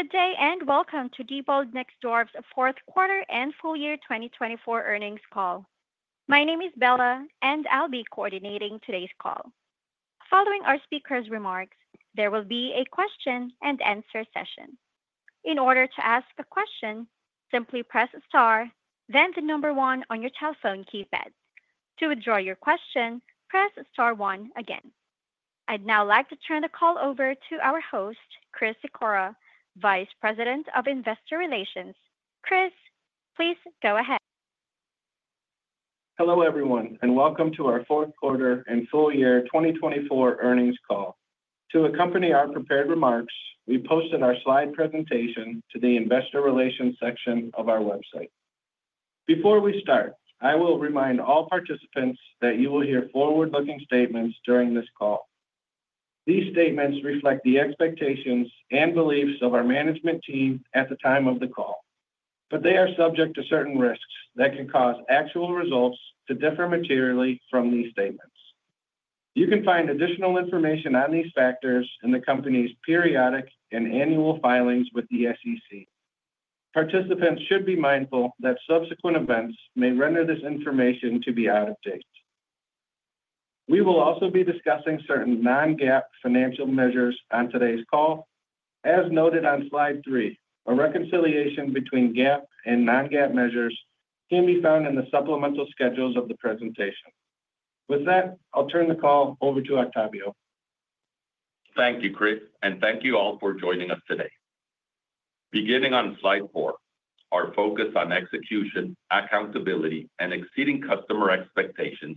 Good day and welcome to Diebold Nixdorf's Q4 and full year 2024 Earnings call. My name is Bella, and I'll be coordinating today's call. Following our speaker's remarks, there will be a question-and-answer session. In order to ask a question, simply press star, then the number one on your telephone keypad. To withdraw your question, press star one again. I'd now like to turn the call over to our host, Chris Sikora, Vice President of Investor Relations. Chris, please go ahead. Hello everyone, and welcome to our Q4 and full year 2024 earnings call. To accompany our prepared remarks, we posted our slide presentation to the Investor Relations section of our website. Before we start, I will remind all participants that you will hear forward-looking statements during this call. These statements reflect the expectations and beliefs of our management team at the time of the call, but they are subject to certain risks that can cause actual results to differ materially from these statements. You can find additional information on these factors in the company's periodic and annual filings with the SEC. Participants should be mindful that subsequent events may render this information to be out of date. We will also be discussing certain non-GAAP financial measures on today's call. As noted on slide three, a reconciliation between GAAP and non-GAAP measures can be found in the supplemental schedules of the presentation. With that, I'll turn the call over to Octavio. Thank you, Chris, and thank you all for joining us today. Beginning on slide four, our focus on execution, accountability, and exceeding customer expectations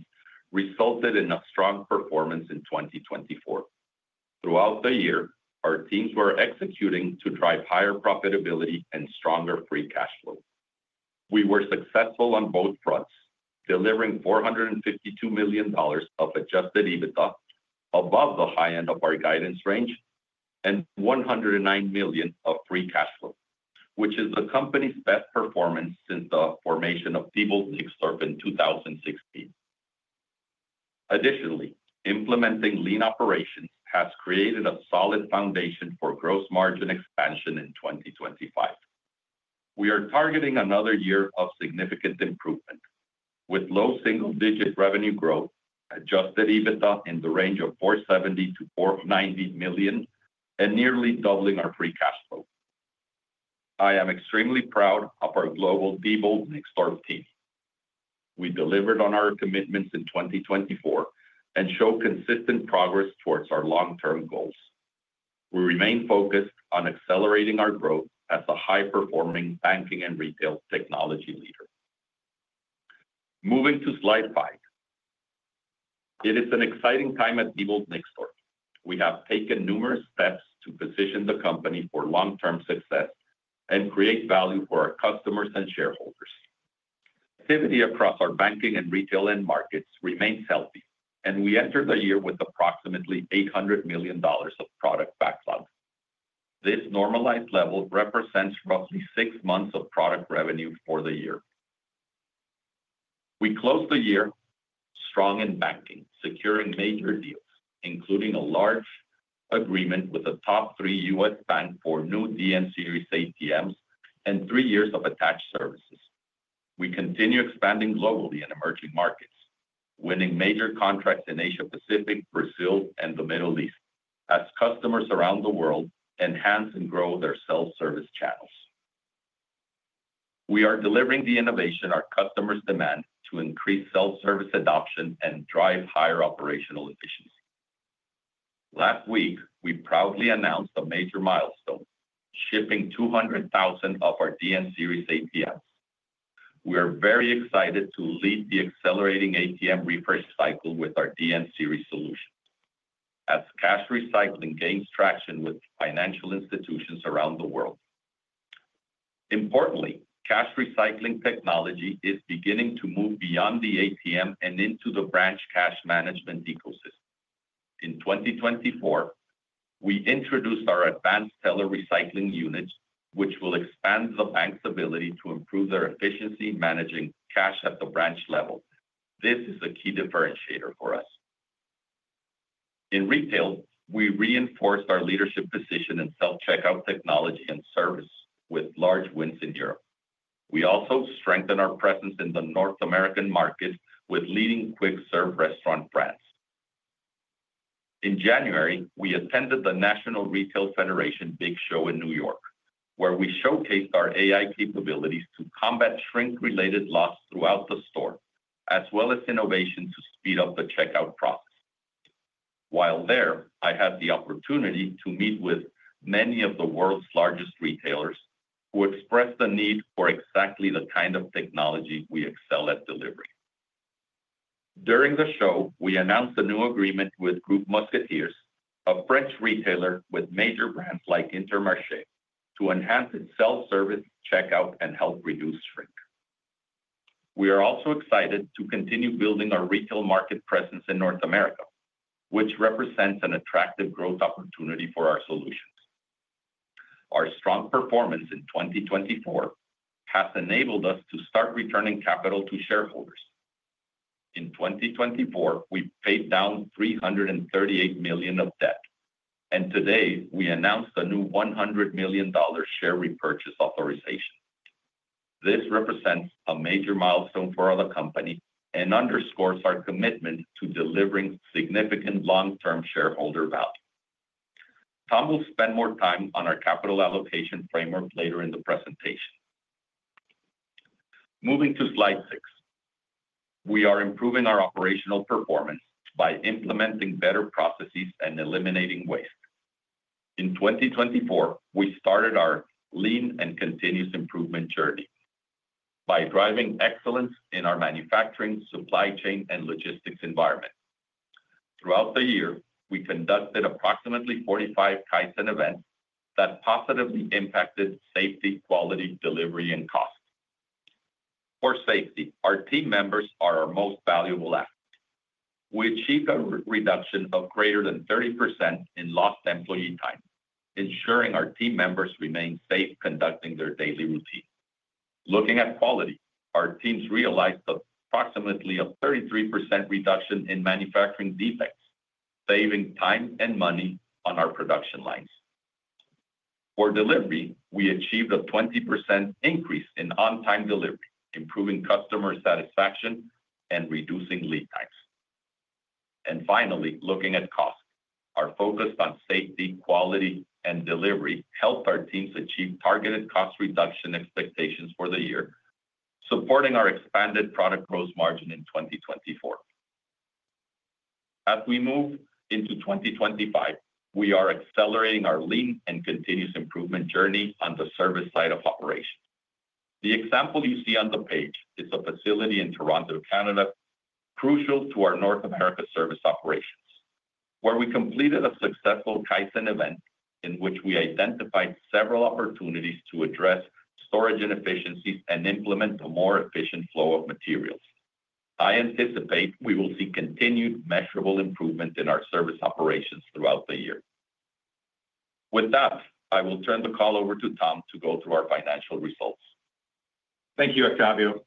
resulted in a strong performance in 2024. Throughout the year, our teams were executing to drive higher profitability and stronger free cash flow. We were successful on both fronts, delivering $452 million of adjusted EBITDA above the high end of our guidance range and $109 million of free cash flow, which is the company's best performance since the formation of Diebold Nixdorf in 2016. Additionally, implementing lean operations has created a solid foundation for gross margin expansion in 2025. We are targeting another year of significant improvement, with low single-digit revenue growth, adjusted EBITDA in the range of $470 to 490 million, and nearly doubling our free cash flow. I am extremely proud of our global Diebold Nixdorf team. We delivered on our commitments in 2024 and show consistent progress towards our long-term goals. We remain focused on accelerating our growth as a high-performing banking and retail technology leader. Moving to slide five, it is an exciting time at Diebold Nixdorf. We have taken numerous steps to position the company for long-term success and create value for our customers and shareholders. Activity across our banking and retail end markets remains healthy, and we entered the year with approximately $800 million of product backlog. This normalized level represents roughly six months of product revenue for the year. We closed the year strong in banking, securing major deals, including a large agreement with a top three U.S. bank for new DN Series ATMs and three years of attached services. We continue expanding globally in emerging markets, winning major contracts in Asia Pacific, Brazil, and the Middle East, as customers around the world enhance and grow their self-service channels. We are delivering the innovation our customers demand to increase self-service adoption and drive higher operational efficiency. Last week, we proudly announced a major milestone: shipping 200,000 of our DN Series ATMs. We are very excited to lead the accelerating ATM refresh cycle with our DN Series solution, as cash recycling gains traction with financial institutions around the world. Importantly, cash recycling technology is beginning to move beyond the ATM and into the branch cash management ecosystem. In 2024, we introduced our Advanced Teller Recycling Units, which will expand the bank's ability to improve their efficiency managing cash at the branch level. This is a key differentiator for us. In retail, we reinforced our leadership position in self-checkout technology and service, with large wins in Europe. We also strengthened our presence in the North American market with leading quick-serve restaurant brands. In January, we attended the National Retail Federation Big Show in New York, where we showcased our AI capabilities to combat shrink-related loss throughout the store, as well as innovation to speed up the checkout process. While there, I had the opportunity to meet with many of the world's largest retailers, who expressed the need for exactly the kind of technology we excel at delivering. During the show, we announced a new agreement with Groupe Mousquetaires, a French retailer with major brands like Intermarché, to enhance its self-service checkout and help reduce shrink. We are also excited to continue building our retail market presence in North America, which represents an attractive growth opportunity for our solutions. Our strong performance in 2024 has enabled us to start returning capital to shareholders. In 2024, we paid down $338 million of debt, and today we announced a new $100 million share repurchase authorization. This represents a major milestone for the company and underscores our commitment to delivering significant long-term shareholder value. Tom will spend more time on our capital allocation framework later in the presentation. Moving to slide six, we are improving our operational performance by implementing better processes and eliminating waste. In 2024, we started our lean and continuous improvement journey by driving excellence in our manufacturing, supply chain, and logistics environment. Throughout the year, we conducted approximately 45 Kaizen events that positively impacted safety, quality, delivery, and cost. For safety, our team members are our most valuable asset. We achieved a reduction of greater than 30% in lost employee time, ensuring our team members remain safe conducting their daily routine. Looking at quality, our teams realized approximately a 33% reduction in manufacturing defects, saving time and money on our production lines. For delivery, we achieved a 20% increase in on-time delivery, improving customer satisfaction and reducing lead times. And finally, looking at cost, our focus on safety, quality, and delivery helped our teams achieve targeted cost reduction expectations for the year, supporting our expanded product gross margin in 2024. As we move into 2025, we are accelerating our lean and continuous improvement journey on the service side of operations. The example you see on the page is a facility in Toronto, Canada, crucial to our North America service operations, where we completed a successful Kaizen event in which we identified several opportunities to address storage inefficiencies and implement a more efficient flow of materials. I anticipate we will see continued measurable improvement in our service operations throughout the year. With that, I will turn the call over to Tom to go through our financial results. Thank you, Octavio.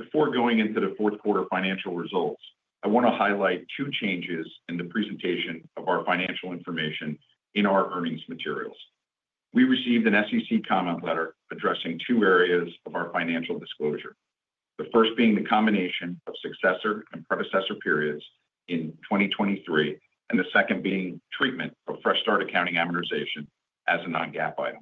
Before going into the Q4 financial results, I want to highlight two changes in the presentation of our financial information in our earnings materials. We received an SEC comment letter addressing two areas of our financial disclosure, the first being the combination of successor and predecessor periods in 2023, and the second being treatment of fresh start accounting amortization as a non-GAAP item.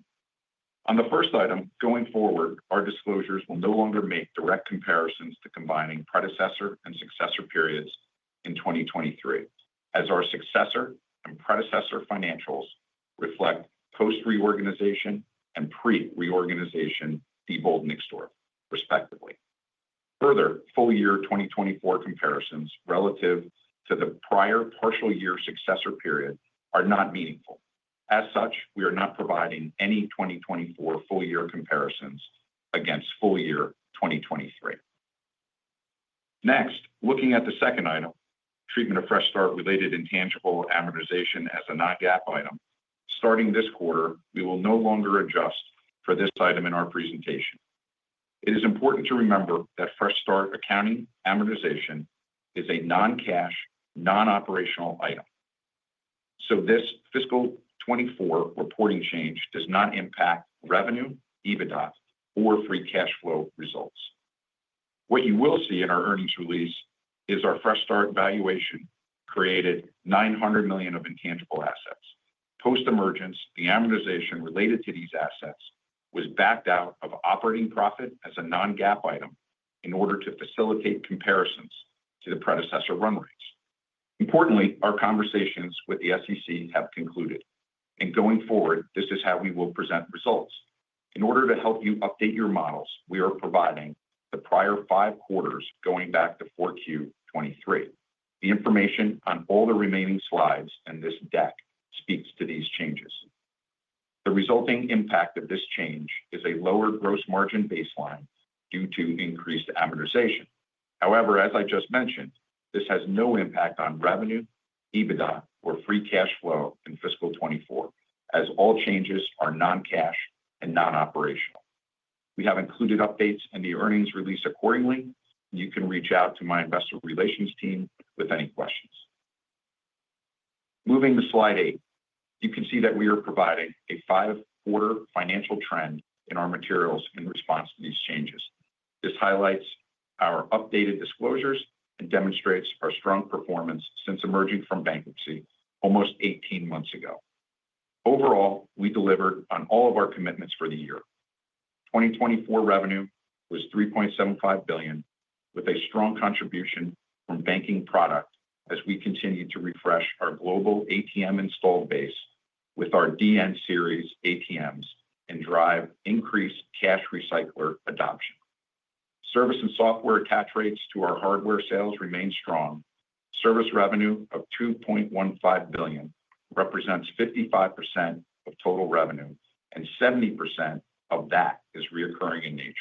On the first item, going forward, our disclosures will no longer make direct comparisons to combining predecessor and successor periods in 2023, as our successor and predecessor financials reflect post-reorganization and pre-reorganization Diebold Nixdorf, respectively. Further, full year 2024 comparisons relative to the prior partial year successor period are not meaningful. As such, we are not providing any 2024 full year comparisons against full year 2023. Next, looking at the second item, treatment of Fresh Start-related intangible amortization as a non-GAAP item, starting this quarter, we will no longer adjust for this item in our presentation. It is important to remember that Fresh Start Accounting amortization is a non-cash, non-operational item. So this fiscal 24 reporting change does not impact revenue, EBITDA, or free cash flow results. What you will see in our earnings release is our Fresh Start valuation created $900 million of intangible assets. Post-emergence, the amortization related to these assets was backed out of operating profit as a non-GAAP item in order to facilitate comparisons to the predecessor run rates. Importantly, our conversations with the SEC have concluded, and going forward, this is how we will present results. In order to help you update your models, we are providing the prior five quarters going back to Q4 2023. The information on all the remaining slides and this deck speaks to these changes. The resulting impact of this change is a lower gross margin baseline due to increased amortization. However, as I just mentioned, this has no impact on revenue, EBITDA, or free cash flow in fiscal 2024, as all changes are non-cash and non-operational. We have included updates in the earnings release accordingly, and you can reach out to my investor relations team with any questions. Moving to slide eight, you can see that we are providing a five-quarter financial trend in our materials in response to these changes. This highlights our updated disclosures and demonstrates our strong performance since emerging from bankruptcy almost 18 months ago. Overall, we delivered on all of our commitments for the year. 2024 revenue was $3.75 billion, with a strong contribution from banking product as we continue to refresh our global ATM install base with our DN Series ATMs and drive increased cash recycler adoption. Service and software attach rates to our hardware sales remain strong. Service revenue of $2.15 billion represents 55% of total revenue, and 70% of that is recurring in nature.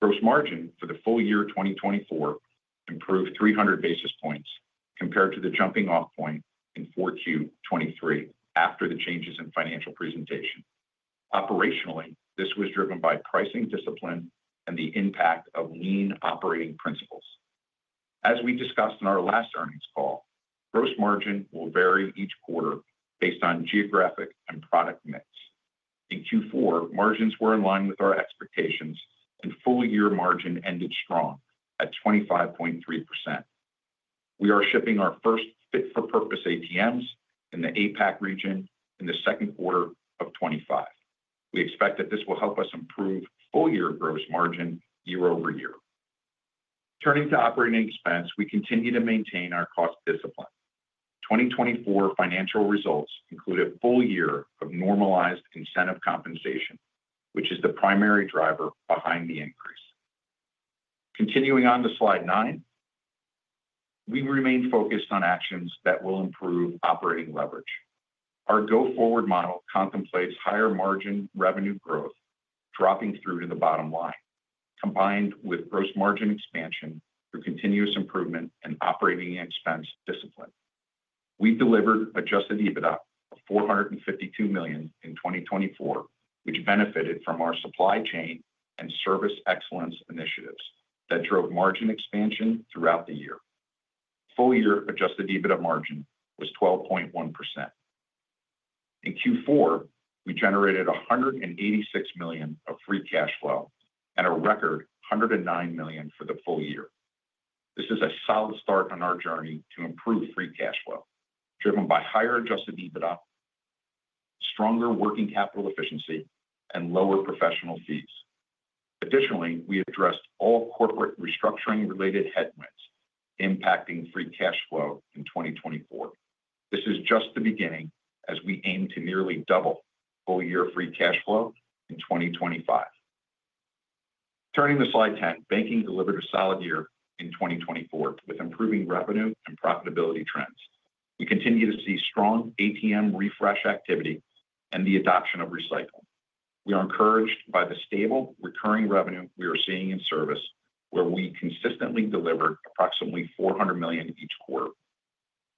Gross margin for the full year 2024 improved 300 basis points compared to the jumping-off point in Q4 2023 after the changes in financial presentation. Operationally, this was driven by pricing discipline and the impact of lean operating principles. As we discussed in our last earnings call, gross margin will vary each quarter based on geographic and product mix. In Q4, margins were in line with our expectations, and full year margin ended strong at 25.3%. We are shipping our first fit-for-purpose ATMs in the APAC region in the Q2 of 2025. We expect that this will help us improve full year gross margin year over year. Turning to operating expense, we continue to maintain our cost discipline. 2024 financial results included a full year of normalized incentive compensation, which is the primary driver behind the increase. Continuing on to slide nine, we remain focused on actions that will improve operating leverage. Our go-forward model contemplates higher margin revenue growth dropping through to the bottom line, combined with gross margin expansion through continuous improvement and operating expense discipline. We delivered adjusted EBITDA of $452 million in 2024, which benefited from our supply chain and service excellence initiatives that drove margin expansion throughout the year. Full year adjusted EBITDA margin was 12.1%. In Q4, we generated $186 million of free cash flow and a record $109 million for the full year. This is a solid start on our journey to improve free cash flow, driven by higher Adjusted EBITDA, stronger working capital efficiency, and lower professional fees. Additionally, we addressed all corporate restructuring-related headwinds impacting free cash flow in 2024. This is just the beginning as we aim to nearly double full year free cash flow in 2025. Turning to slide 10, banking delivered a solid year in 2024 with improving revenue and profitability trends. We continue to see strong ATM refresh activity and the adoption of recycling. We are encouraged by the stable recurring revenue we are seeing in service, where we consistently delivered approximately $400 million each quarter.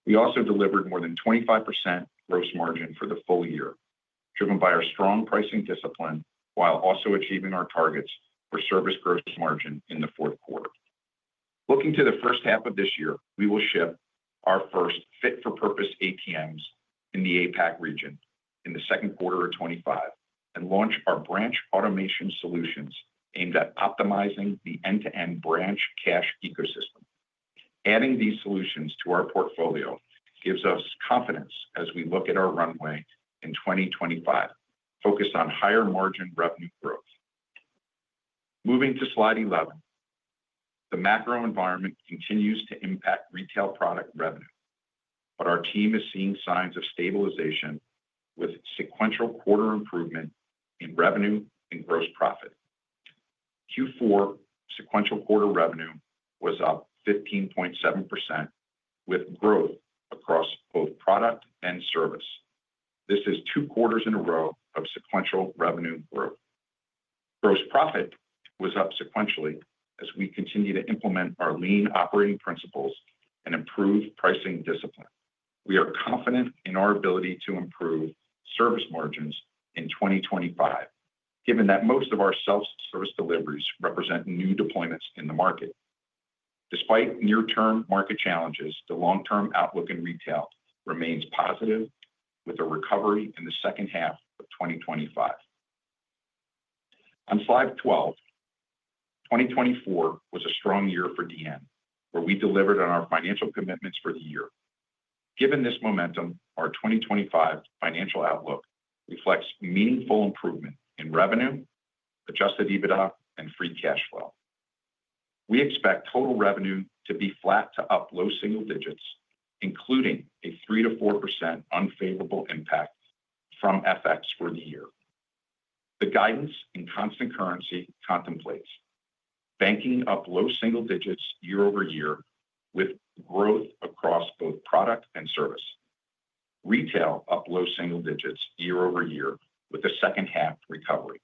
We also delivered more than 25% gross margin for the full year, driven by our strong pricing discipline while also achieving our targets for service gross margin in the Q4. Looking to the first half of this year, we will ship our first fit-for-purpose ATMs in the APAC region in the Q2 of 2025 and launch our branch automation solutions aimed at optimizing the end-to-end branch cash ecosystem. Adding these solutions to our portfolio gives us confidence as we look at our runway in 2025, focused on higher margin revenue growth. Moving to slide 11, the macro environment continues to impact retail product revenue, but our team is seeing signs of stabilization with sequential quarter improvement in revenue and gross profit. Q4 sequential quarter revenue was up 15.7%, with growth across both product and service. This is two quarters in a row of sequential revenue growth. Gross profit was up sequentially as we continue to implement our lean operating principles and improve pricing discipline. We are confident in our ability to improve service margins in 2025, given that most of our self-service deliveries represent new deployments in the market. Despite near-term market challenges, the long-term outlook in retail remains positive, with a recovery in the second half of 2025. On slide 12, 2024 was a strong year for DN, where we delivered on our financial commitments for the year. Given this momentum, our 2025 financial outlook reflects meaningful improvement in revenue, Adjusted EBITDA, and Free Cash Flow. We expect total revenue to be flat to up low single digits, including a 3%-4% unfavorable impact from FX for the year. The guidance in constant currency contemplates banking up low single digits year over year, with growth across both product and service. Retail up low single digits year over year, with a second-half recovery.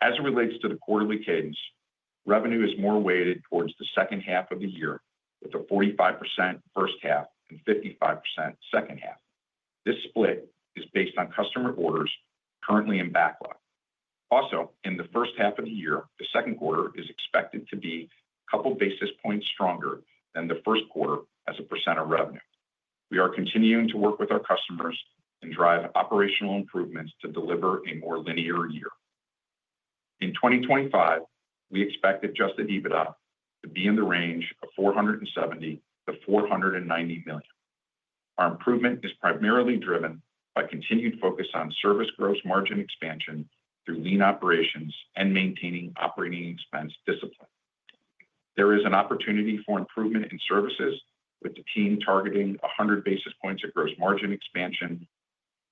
As it relates to the quarterly cadence, revenue is more weighted towards the second half of the year, with a 45% first half and 55% second half. This split is based on customer orders currently in backlog. Also, in the first half of the year, the Q2 is expected to be a couple basis points stronger than the Q1 as a percent of revenue. We are continuing to work with our customers and drive operational improvements to deliver a more linear year. In 2025, we expect Adjusted EBITDA to be in the range of $470 million to 490 million. Our improvement is primarily driven by continued focus on service gross margin expansion through lean operations and maintaining operating expense discipline. There is an opportunity for improvement in services, with the team targeting 100 basis points of gross margin expansion.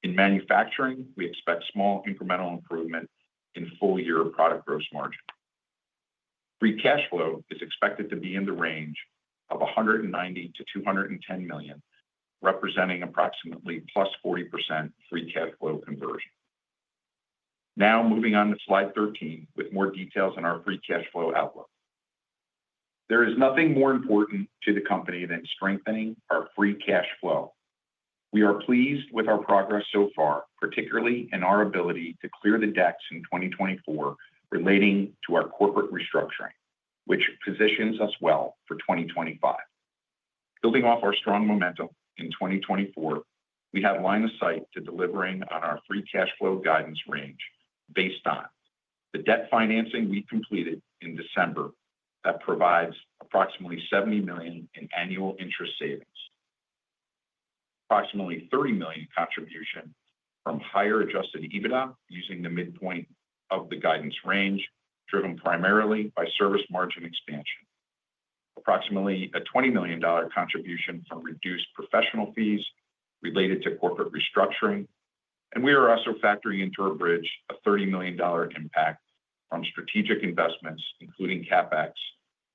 In manufacturing, we expect small incremental improvement in full year product gross margin. Free cash flow is expected to be in the range of $190 million to 210 million, representing approximately +40% free cash flow conversion. Now, moving on to slide 13, with more details on our free cash flow outlook. There is nothing more important to the company than strengthening our free cash flow. We are pleased with our progress so far, particularly in our ability to clear the decks in 2024 relating to our corporate restructuring, which positions us well for 2025. Building off our strong momentum in 2024, we are lined up to deliver on our Free Cash Flow guidance range based on the debt financing we completed in December that provides approximately $70 million in annual interest savings, approximately $30 million contribution from higher Adjusted EBITDA using the midpoint of the guidance range, driven primarily by service margin expansion, approximately a $20 million contribution from reduced professional fees related to corporate restructuring. And we are also factoring into our bridge a $30 million impact from strategic investments, including CapEx,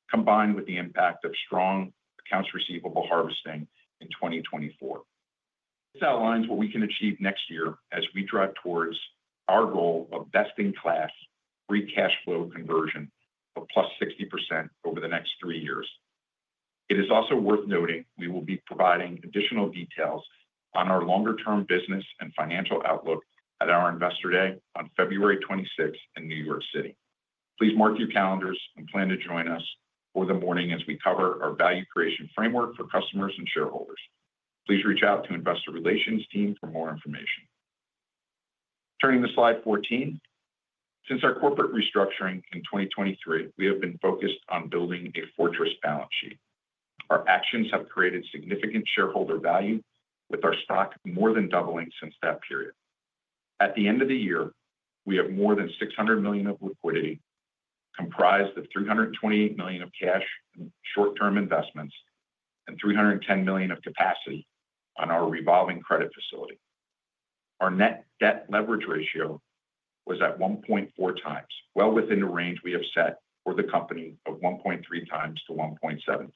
combined with the impact of strong accounts receivable harvesting in 2024. This outlines what we can achieve next year as we drive towards our goal of best-in-class Free Cash Flow conversion of +60% over the next three years. It is also worth noting we will be providing additional details on our longer-term business and financial outlook at our investor day on February 26 in New York City. Please mark your calendars and plan to join us for the morning as we cover our value creation framework for customers and shareholders. Please reach out to Investor Relations team for more information. Turning to slide 14, since our corporate restructuring in 2023, we have been focused on building a fortress balance sheet. Our actions have created significant shareholder value, with our stock more than doubling since that period. At the end of the year, we have more than $600 million of liquidity comprised of $328 million of cash and short-term investments and $310 million of capacity on our revolving credit facility. Our net debt leverage ratio was at 1.4 times, well within the range we have set for the company of 1.3 times to 1.7 times.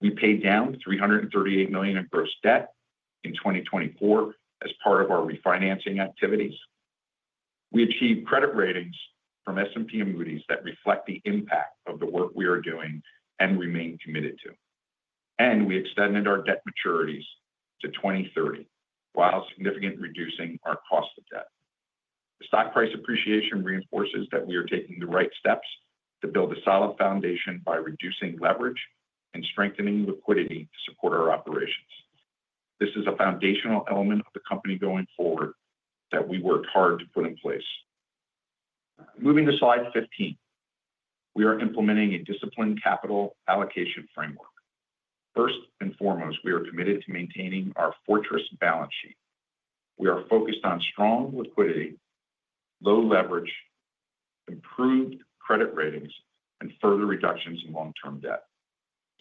We paid down $338 million of gross debt in 2024 as part of our refinancing activities. We achieved credit ratings from S&P and Moody's that reflect the impact of the work we are doing and remain committed to. And we extended our debt maturities to 2030 while significantly reducing our cost of debt. The stock price appreciation reinforces that we are taking the right steps to build a solid foundation by reducing leverage and strengthening liquidity to support our operations. This is a foundational element of the company going forward that we worked hard to put in place. Moving to slide 15, we are implementing a disciplined capital allocation framework. First and foremost, we are committed to maintaining our fortress balance sheet. We are focused on strong liquidity, low leverage, improved credit ratings, and further reductions in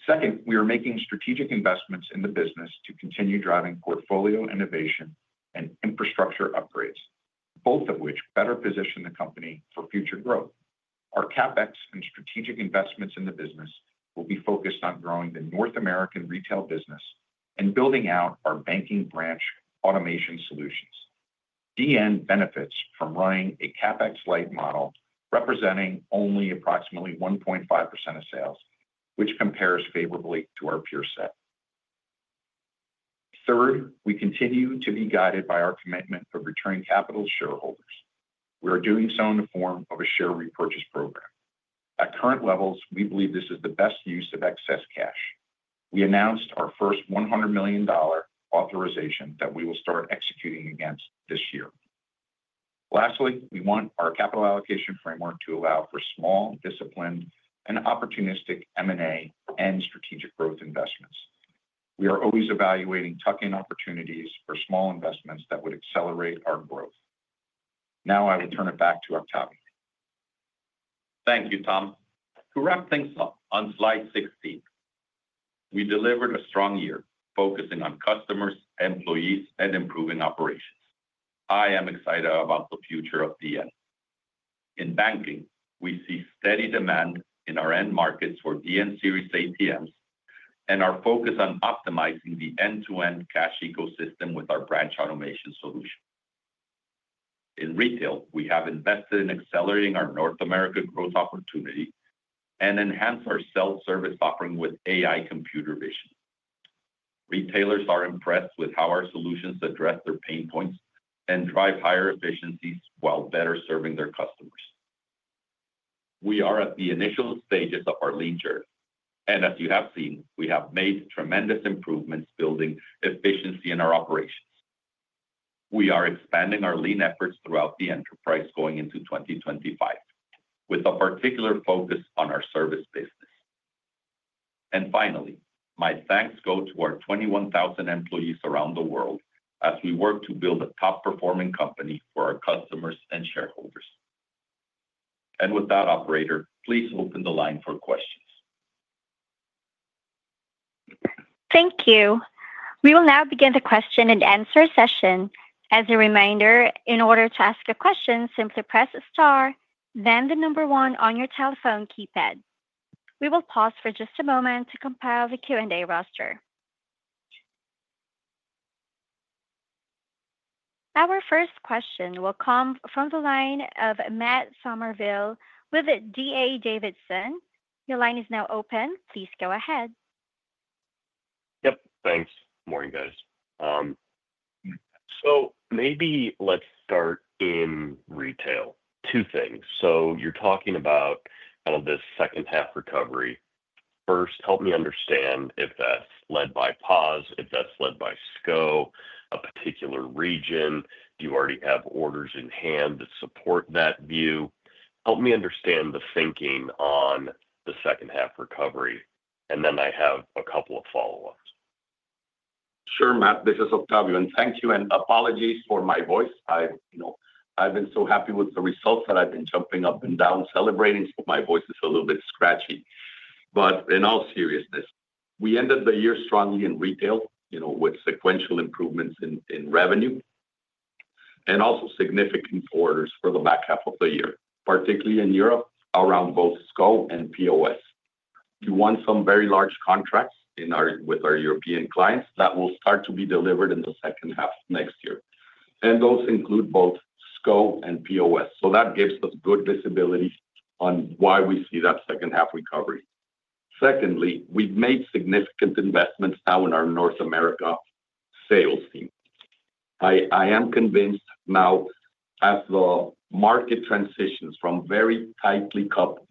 long-term debt. Second, we are making strategic investments in the business to continue driving portfolio innovation and infrastructure upgrades, both of which better position the company for future growth. Our CapEx and strategic investments in the business will be focused on growing the North American retail business and building out our banking branch automation solutions. DN benefits from running a CapEx-like model, representing only approximately 1.5% of sales, which compares favorably to our peer set. Third, we continue to be guided by our commitment of returning capital to shareholders. We are doing so in the form of a share repurchase program. At current levels, we believe this is the best use of excess cash. We announced our first $100 million authorization that we will start executing against this year. Lastly, we want our capital allocation framework to allow for small, disciplined, and opportunistic M&A and strategic growth investments. We are always evaluating tuck-in opportunities for small investments that would accelerate our growth. Now, I will turn it back to Octavio. Thank you, Tom. To wrap things up on slide 16, we delivered a strong year focusing on customers, employees, and improving operations. I am excited about the future of DN. In banking, we see steady demand in our end markets for DN Series ATMs and our focus on optimizing the end-to-end cash ecosystem with our branch automation solution. In retail, we have invested in accelerating our North America growth opportunity and enhanced our self-service offering with AI computer vision. Retailers are impressed with how our solutions address their pain points and drive higher efficiencies while better serving their customers. We are at the initial stages of our lean journey. As you have seen, we have made tremendous improvements building efficiency in our operations. We are expanding our lean efforts throughout the enterprise going into 2025, with a particular focus on our service business. Finally, my thanks go to our 21,000 employees around the world as we work to build a top-performing company for our customers and shareholders. With that, Operator, please open the line for questions. Thank you. We will now begin the question and answer session. As a reminder, in order to ask a question, simply press a star, then the number one on your telephone keypad. We will pause for just a moment to compile the Q&A roster. Our first question will come from the line of Matt Somerville with D.A. Davidson. Your line is now open. Please go ahead. Yep. Thanks. Morning, guys. Maybe let's start in retail. Two things. So you're talking about kind of this second-half recovery. First, help me understand if that's led by POS, if that's led by SCO, a particular region. Do you already have orders in hand that support that view? Help me understand the thinking on the second-half recovery. And then I have a couple of follow-ups. Sure, Matt. This is Octavio. And thank you. And apologies for my voice. I've been so happy with the results that I've been jumping up and down, celebrating. So my voice is a little bit scratchy. But in all seriousness, we ended the year strongly in retail with sequential improvements in revenue and also significant orders for the back half of the year, particularly in Europe around both SCO and POS. We won some very large contracts with our European clients that will start to be delivered in the second half next year. Those include both SCO and POS. That gives us good visibility on why we see that second-half recovery. Secondly, we've made significant investments now in our North America sales team. I am convinced now, as the market transitions from very tightly coupled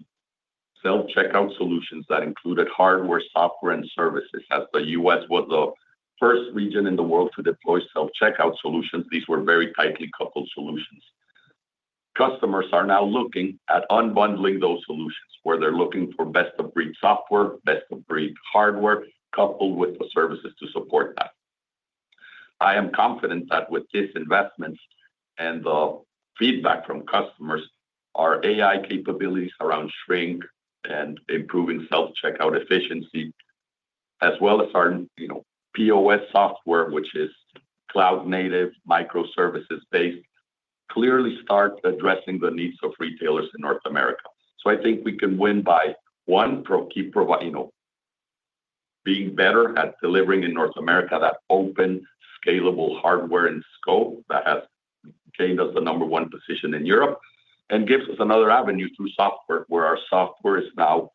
self-checkout solutions that included hardware, software, and services, as the U.S. was the first region in the world to deploy self-checkout solutions, these were very tightly coupled solutions. Customers are now looking at unbundling those solutions, where they're looking for best-of-breed software, best-of-breed hardware coupled with the services to support that. I am confident that with these investments and the feedback from customers, our AI capabilities around shrink and improving self-checkout efficiency, as well as our POS software, which is cloud-native microservices-based, clearly start addressing the needs of retailers in North America. So I think we can win by, one, being better at delivering in North America that open, scalable hardware and scope that has gained us the number one position in Europe and gives us another avenue through software, where our software is now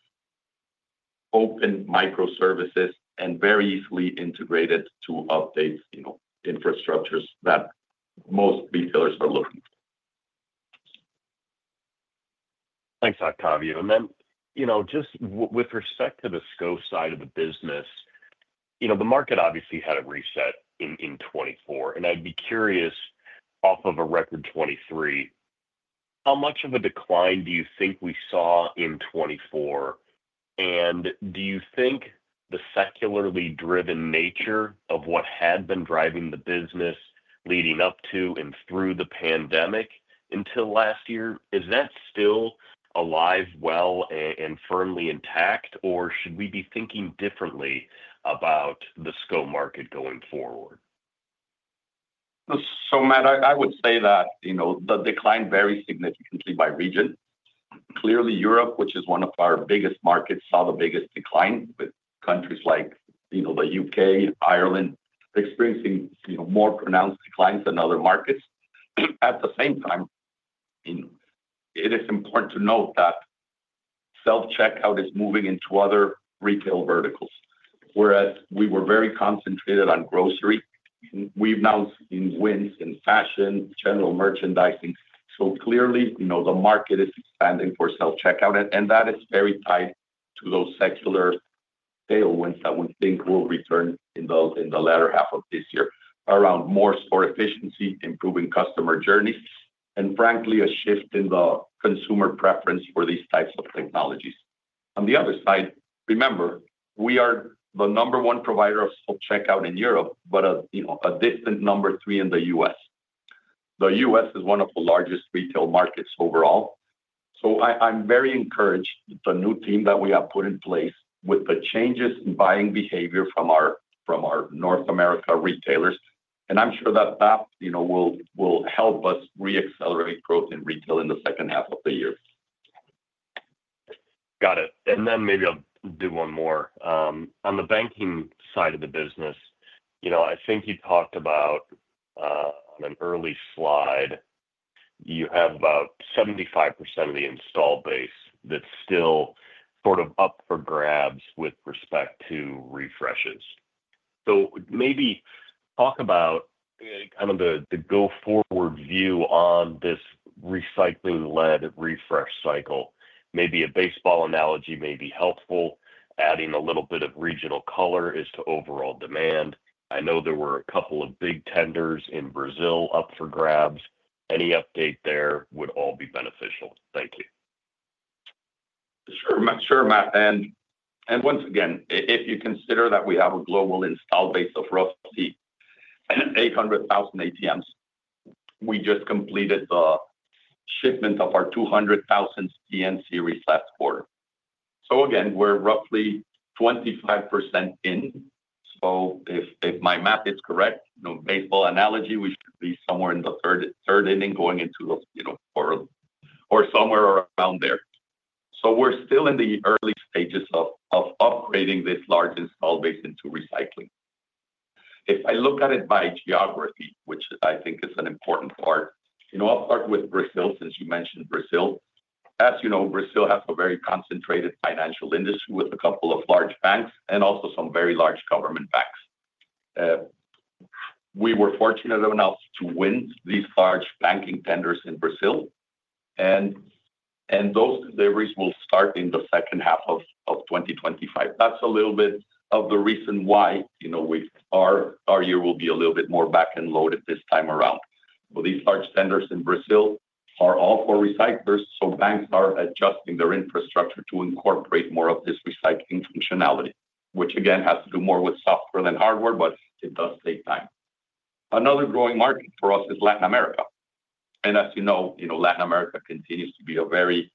open microservices and very easily integrated to update infrastructures that most retailers are looking for. Thanks, Octavio. And then just with respect to the SCO side of the business, the market obviously had a reset in 2024. And I'd be curious, off of a record 2023, how much of a decline do you think we saw in 2024? And do you think the secularly driven nature of what had been driving the business leading up to and through the pandemic until last year, is that still alive, well, and firmly intact, or should we be thinking differently about the SCO market going forward? So, Matt, I would say that the decline varies significantly by region. Clearly, Europe, which is one of our biggest markets, saw the biggest decline with countries like the U.K., Ireland, experiencing more pronounced declines than other markets. At the same time, it is important to note that self-checkout is moving into other retail verticals, whereas we were very concentrated on grocery. We've now seen wins in fashion, general merchandising. So clearly, the market is expanding for self-checkout. And that is very tied to those secular sale wins that we think will return in the latter half of this year around more store efficiency, improving customer journeys, and frankly, a shift in the consumer preference for these types of technologies. On the other side, remember, we are the number one provider of self-checkout in Europe, but a distant number three in the U.S. The U.S. is one of the largest retail markets overall, so I'm very encouraged with the new team that we have put in place with the changes in buying behavior from our North America retailers, and I'm sure that that will help us re-accelerate growth in retail in the second half of the year. Got it, and then maybe I'll do one more. On the banking side of the business, I think you talked about on an early slide, you have about 75% of the install base that's still sort of up for grabs with respect to refreshes, so maybe talk about kind of the go-forward view on this recycling-led refresh cycle. Maybe a baseball analogy may be helpful, adding a little bit of regional color as to overall demand. I know there were a couple of big tenders in Brazil up for grabs. Any update there would all be beneficial. Thank you. Sure. Sure, Matt. And once again, if you consider that we have a global installed base of roughly 800,000 ATMs, we just completed the shipment of our 200,000 DN Series last quarter. So again, we're roughly 25% in. So if my math is correct, baseball analogy, we should be somewhere in the third inning going into the fourth or somewhere around there. So we're still in the early stages of upgrading this large installed base into recycling. If I look at it by geography, which I think is an important part, I'll start with Brazil since you mentioned Brazil. As you know, Brazil has a very concentrated financial industry with a couple of large banks and also some very large government banks. We were fortunate enough to win these large banking tenders in Brazil. Those deliveries will start in the second half of 2025. That's a little bit of the reason why our year will be a little bit more back-end loaded this time around. But these large tenders in Brazil are all for recyclers. So banks are adjusting their infrastructure to incorporate more of this recycling functionality, which, again, has to do more with software than hardware, but it does take time. Another growing market for us is Latin America. And as you know, Latin America continues to be a very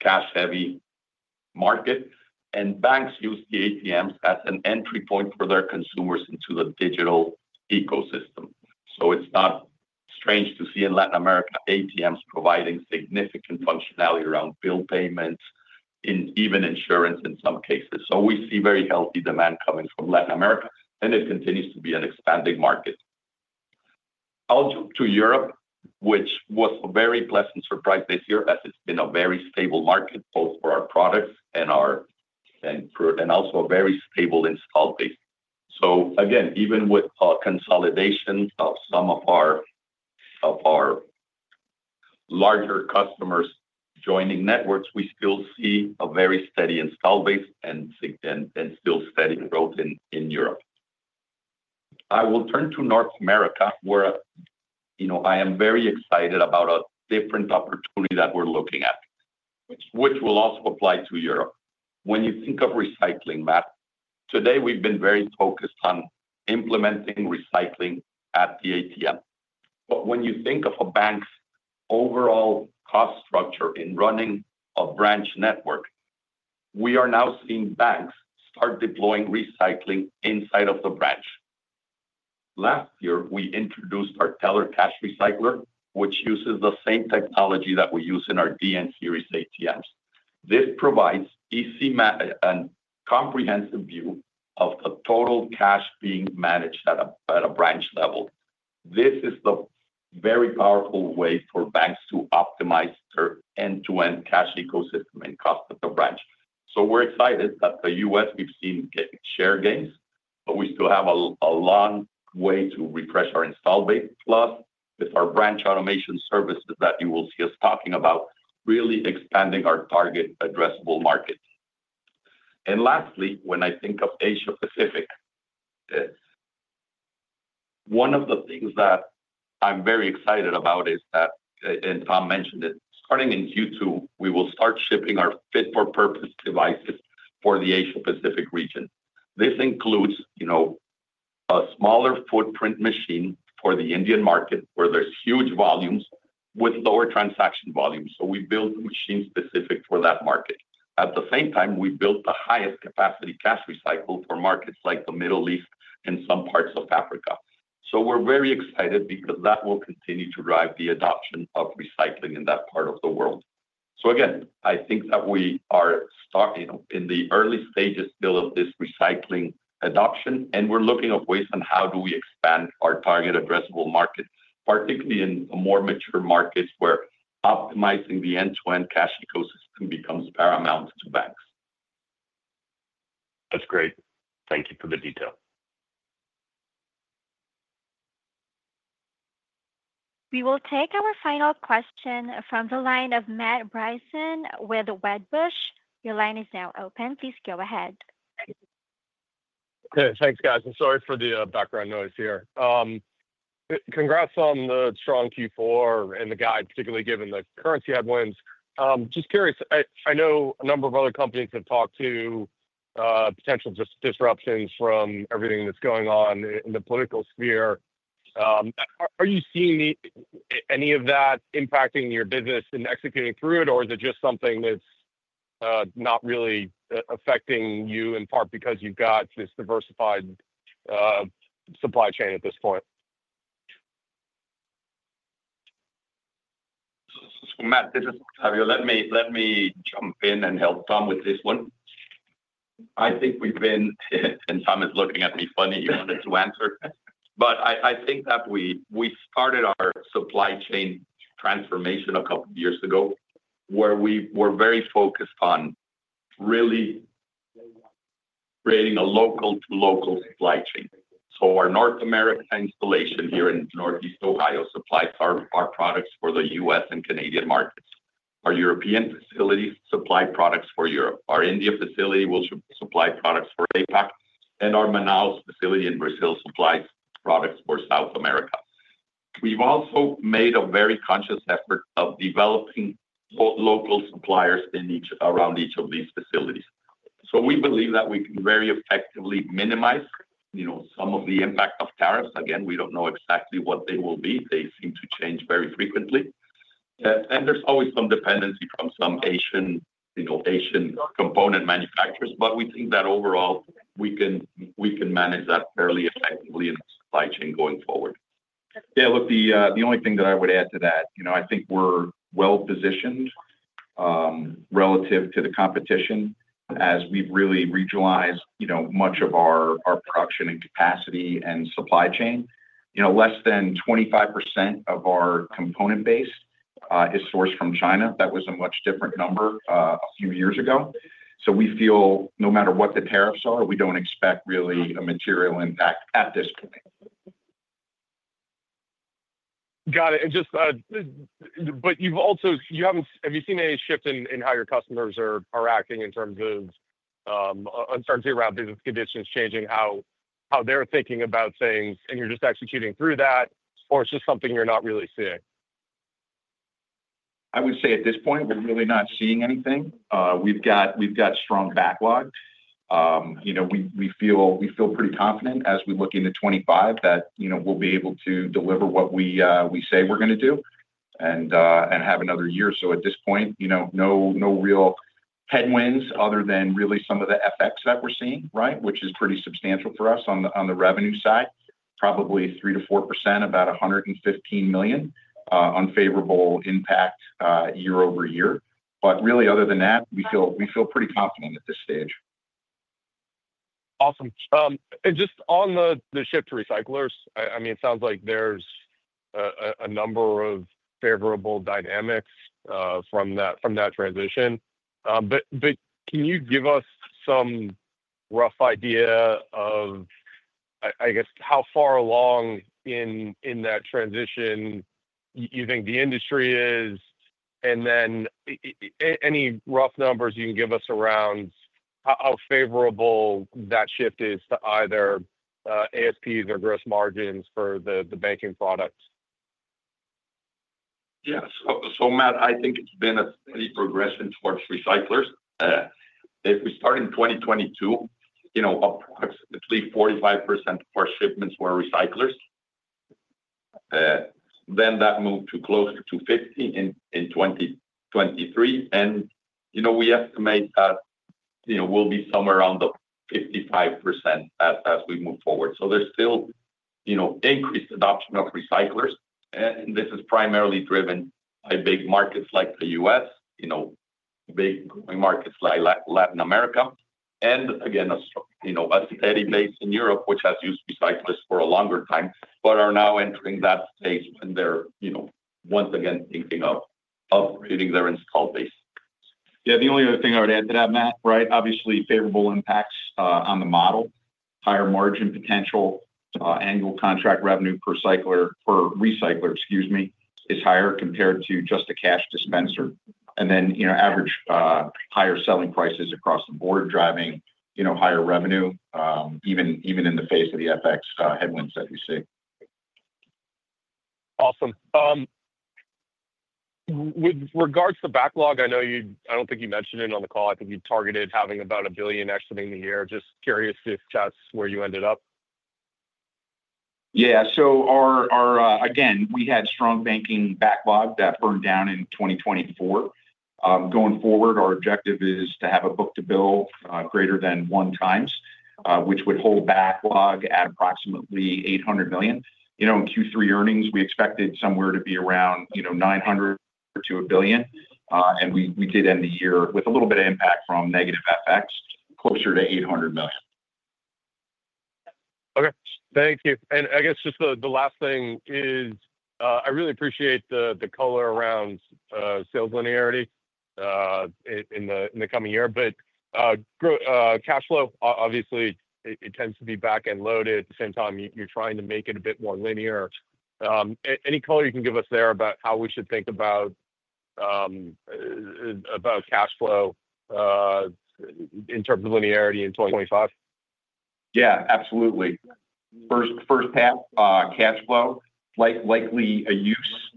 cash-heavy market. And banks use the ATMs as an entry point for their consumers into the digital ecosystem. So it's not strange to see in Latin America ATMs providing significant functionality around bill payments, even insurance in some cases. So we see very healthy demand coming from Latin America. And it continues to be an expanding market. I'll jump to Europe, which was a very pleasant surprise this year as it's been a very stable market, both for our products and also a very stable install base. So again, even with consolidation of some of our larger customers joining networks, we still see a very steady install base and still steady growth in Europe. I will turn to North America, where I am very excited about a different opportunity that we're looking at, which will also apply to Europe. When you think of recycling, Matt, today, we've been very focused on implementing recycling at the ATM. But when you think of a bank's overall cost structure in running a branch network, we are now seeing banks start deploying recycling inside of the branch. Last year, we introduced our Teller Cash Recycler, which uses the same technology that we use in our DN Series ATMs. This provides a comprehensive view of the total cash being managed at a branch level. This is the very powerful way for banks to optimize their end-to-end cash ecosystem and cost at the branch. So we're excited that the U.S., we've seen share gains, but we still have a long way to refresh our install base. Plus, with our branch automation services that you will see us talking about, really expanding our target addressable market. And lastly, when I think of Asia-Pacific, one of the things that I'm very excited about is that, and Tom mentioned it, starting in Q2, we will start shipping our fit-for-purpose devices for the Asia-Pacific region. This includes a smaller footprint machine for the Indian market, where there's huge volumes with lower transaction volumes. So we build the machine specific for that market. At the same time, we built the highest capacity cash recycler for markets like the Middle East and some parts of Africa. So we're very excited because that will continue to drive the adoption of recycling in that part of the world. So again, I think that we are in the early stages still of this recycling adoption. And we're looking at ways on how do we expand our target addressable market, particularly in the more mature markets where optimizing the end-to-end cash ecosystem becomes paramount to banks. That's great. Thank you for the detail. We will take our final question from the line of Matt Bryson with Wedbush. Your line is now open. Please go ahead. Thanks, guys. I'm sorry for the background noise here. Congrats on the strong Q4 and the guide, particularly given the currency headwinds. Just curious. I know a number of other companies have talked to potential disruptions from everything that's going on in the political sphere. Are you seeing any of that impacting your business and executing through it, or is it just something that's not really affecting you in part because you've got this diversified supply chain at this point? Matt, this is Octavio. Let me jump in and help Tom with this one. I think we've been, and Tom is looking at me funny. He wanted to answer. But I think that we started our supply chain transformation a couple of years ago, where we were very focused on really creating a local-to-local supply chain. So our North America installation here in Northeast Ohio supplies our products for the U.S. and Canadian markets. Our European facility supplies products for Europe. Our India facility will supply products for APAC. Our Manaus facility in Brazil supplies products for South America. We've also made a very conscious effort of developing local suppliers around each of these facilities. We believe that we can very effectively minimize some of the impact of tariffs. Again, we don't know exactly what they will be. They seem to change very frequently. There's always some dependency from some Asian component manufacturers. We think that overall, we can manage that fairly effectively in the supply chain going forward. Yeah, look, the only thing that I would add to that, I think we're well-positioned relative to the competition as we've really regionalized much of our production and capacity and supply chain. Less than 25% of our component base is sourced from China. That was a much different number a few years ago. So we feel no matter what the tariffs are, we don't expect really a material impact at this point. Got it. But you've also, have you seen any shift in how your customers are acting in terms of uncertainty around business conditions changing, how they're thinking about things, and you're just executing through that, or it's just something you're not really seeing? I would say at this point, we're really not seeing anything. We've got strong backlog. We feel pretty confident as we look into 2025 that we'll be able to deliver what we say we're going to do and have another year. So at this point, no real headwinds other than really some of the effects that we're seeing, right, which is pretty substantial for us on the revenue side, probably 3% to 4%, about $115 million, unfavorable impact year-over-year. But really, other than that, we feel pretty confident at this stage. Awesome. And just on the shift to recyclers, I mean, it sounds like there's a number of favorable dynamics from that transition. But can you give us some rough idea of, I guess, how far along in that transition you think the industry is, and then any rough numbers you can give us around how favorable that shift is to either ASPs or gross margins for the banking products? Yeah. So, Matt, I think it's been a steady progression towards recyclers. If we start in 2022, approximately 45% of our shipments were recyclers. Then that moved to close to 50% in 2023. And we estimate that we'll be somewhere around the 55% as we move forward. So there's still increased adoption of recyclers. And this is primarily driven by big markets like the U.S., big growing markets like Latin America, and again, a steady base in Europe, which has used recyclers for a longer time, but are now entering that phase when they're once again thinking of upgrading their install base. Yeah, the only other thing I would add to that, Matt, right? Obviously, favorable impacts on the model, higher margin potential, annual contract revenue per recycler, excuse me, is higher compared to just a cash dispenser. And then average higher selling prices across the board driving higher revenue, even in the face of the FX headwinds that we see. Awesome. With regards to backlog, I don't think you mentioned it on the call. I think you targeted having about $1 billion exiting the year. Just curious if that's where you ended up. Yeah. So again, we had strong banking backlog that burned down in 2024. Going forward, our objective is to have a book-to-bill greater than one times, which would hold backlog at approximately $800 million. In Q3 earnings, we expected somewhere to be around $900 million to 1 billion. And we did end the year with a little bit of impact from negative FX, closer to $800 million. Okay. Thank you. And I guess just the last thing is I really appreciate the color around sales linearity in the coming year. But cash flow, obviously, it tends to be back and loaded. At the same time, you're trying to make it a bit more linear. Any color you can give us there about how we should think about cash flow in terms of linearity in 2025? Yeah, absolutely. First half, cash flow, likely a use.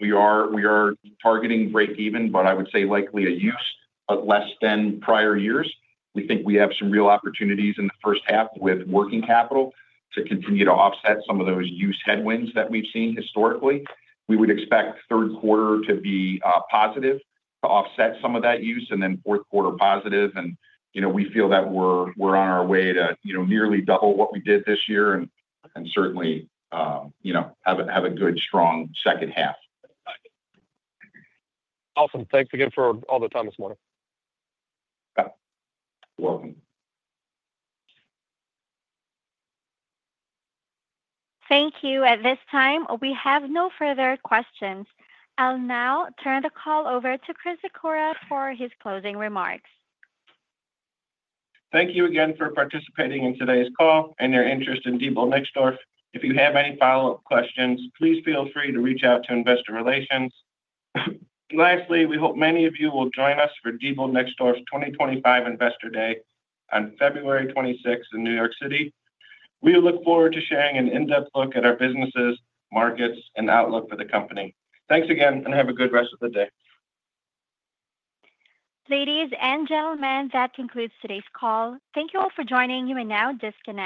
We are targeting breakeven, but I would say likely a use of less than prior years. We think we have some real opportunities in the first half with working capital to continue to offset some of those use headwinds that we've seen historically. We would expect Q3 to be positive to offset some of that use and then Q4 positive, and we feel that we're on our way to nearly double what we did this year and certainly have a good strong second half. Awesome. Thanks again for all the time this morning. You're welcome. Thank you. At this time, we have no further questions. I'll now turn the call over to Chris Sikora for his closing remarks. Thank you again for participating in today's call and your interest in Diebold Nixdorf. If you have any follow-up questions, please feel free to reach out to Investor Relations. Lastly, we hope many of you will join us for Diebold Nixdorf 2025 Investor Day on February 26th in New York City. We look forward to sharing an in-depth look at our businesses, markets, and outlook for the company. Thanks again, and have a good rest of the day. Ladies and gentlemen, that concludes today's call. Thank you all for joining. You may now disconnect.